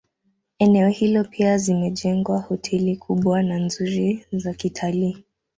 Eneo hilo pia zimejengwa hoteli kubwa na nzuri za kitalii